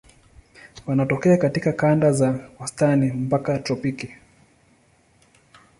Wanatokea katika kanda za wastani mpaka tropiki.